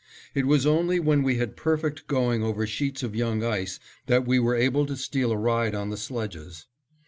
It was only when we had perfect going over sheets of young ice that we were able to steal a ride on the sledges.